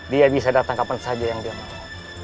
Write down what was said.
dia bisa datang kapan saja yang dia mau